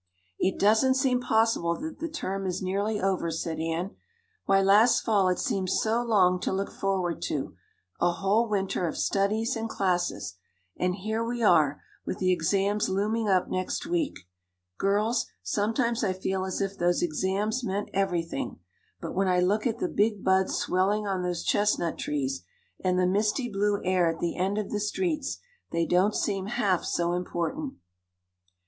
"It doesn't seem possible that the term is nearly over," said Anne. "Why, last fall it seemed so long to look forward to a whole winter of studies and classes. And here we are, with the exams looming up next week. Girls, sometimes I feel as if those exams meant everything, but when I look at the big buds swelling on those chestnut trees and the misty blue air at the end of the streets they don't seem half so important."